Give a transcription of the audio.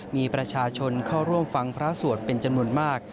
มีประชาชนเข้าร่วมฟังพระสวดเป็นจำนวนมาก